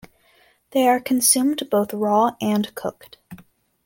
They are consumed both raw and cooked.